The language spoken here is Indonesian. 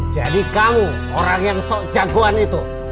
jadi kamu orang yang sok jagoan itu